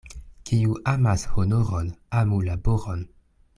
Kiu amas honoron, amu laboron.